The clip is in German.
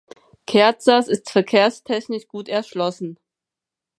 Kerzers ist verkehrstechnisch gut erschlossen.